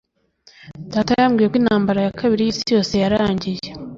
Data yambwiye ko Intambara ya Kabiri yIsi Yose yarangiye